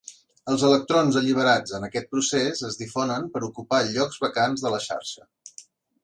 Els electrons alliberats en aquest procés es difonen per ocupar llocs vacants de la xarxa.